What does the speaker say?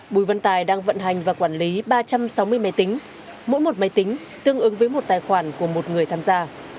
bùi văn tài đang vận hành và quản lý ba trăm sáu mươi máy tính mỗi một máy tính tương ứng với một tài khoản của một người tham gia